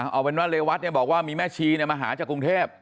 เอาเป็นว่าเรวัตเนี่ยบอกว่ามีแม่ชีมาหาจากกรุงเทพ